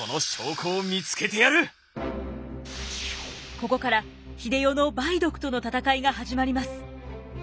ここから英世の梅毒との闘いが始まります。